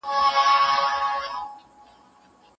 مذہب د سوله ایز ژوند بنیادونه رامنځته کوي.